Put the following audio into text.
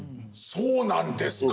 そうなんですか？